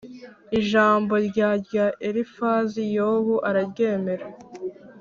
Ijambo rya rya Elifazi Yobu araryemera